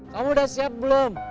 kamu udah siap belom